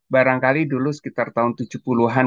barangkali dulu sekitar tahun tujuh puluh an